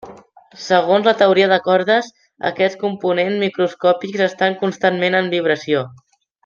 Segons la teoria de cordes, aquests components microscòpics estan constantment en vibració.